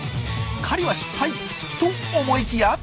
狩りは失敗と思いきや。